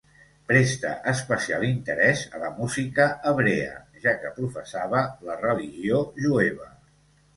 Prestà especial interès a la música hebrea, ja que professava la religió jueva.